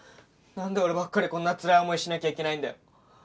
なんで俺ばっかりこんなつらい思いしなきゃいけないんだよ。